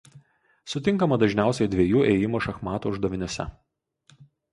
Sutinkama dažniausiai dviejų ėjimų šachmatų uždaviniuose.